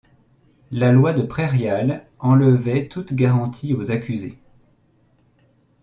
La loi de prairial enlevait toute garantie aux accusés.